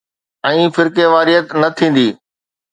۽ فرقيواريت نه ٿيندي.